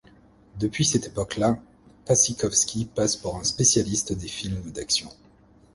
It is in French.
Depuis cette époque-là, Pasikowski passe pour un spécialiste des films d'action.